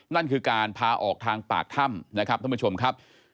นั่นคือการพาออกทางปากถ้ำนะครับท่านผู้ชมครับ